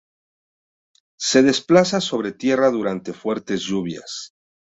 Se desplaza sobre tierra durante fuertes lluvias.